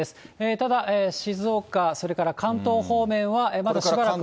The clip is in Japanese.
ただ静岡、それから関東方面はこれからまだしばらく。